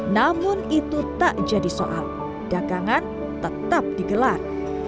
namun itu tak jadi soal dagangan tetap digelar